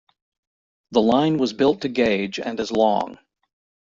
The line was built to gauge and is long.